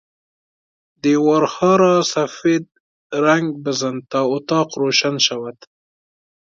دیوارها را سفید رنگ بزن تا اتاق روشن شود.